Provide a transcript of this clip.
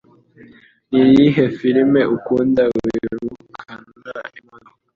Niyihe firime ukunda wirukana imodoka?